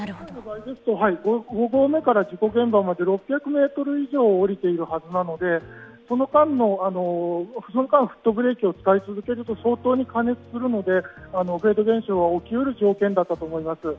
五合目から事故現場まで６００ｍ以上降りているはずなので、その間フットブレーキを使い続けると相当に過熱するのでフェード現象は起きうる条件だったと思います。